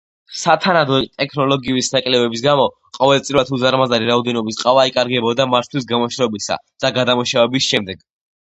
სათანადო ტექნოლოგიების ნაკლებობის გამო, ყოველწლიურად უზარმაზარი რაოდენობის ყავა იკარგებოდა მარცვლის გამოშრობისა და გადამუშავების შემდეგ.